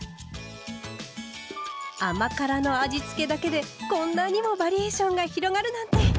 甘辛の味付けだけでこんなにもバリエーションが広がるなんて！